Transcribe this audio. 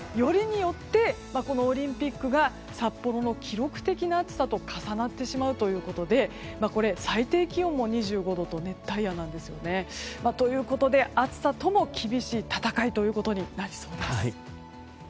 オリンピックが札幌の記録的な暑さと重なってしまうということで最低気温も２５度と熱帯夜なんです。ということで、暑さとも厳しい戦いということになりそうです。